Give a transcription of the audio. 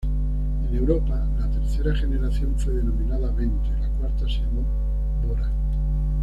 En Europa, la tercera generación fue denominada Vento, y la cuarta se llamó Bora.